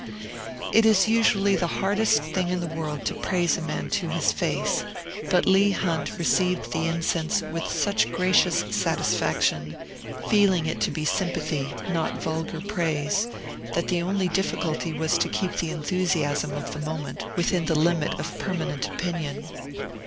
It is usually the hardest thing in the world to praise a man to his face; but Leigh Hunt received the incense with such gracious satisfaction (feeling it to be sympathy, not vulgar praise), that the only difficulty was to keep the enthusiasm of the moment within the limit of permanent opinion.